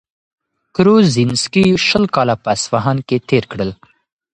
کروزینسکي شل کاله په اصفهان کي تېر کړل.